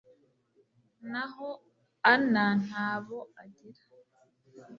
naho ana nta bo agira